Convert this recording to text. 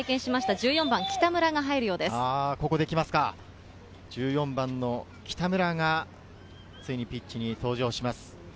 １４番・北村がピッチに登場します。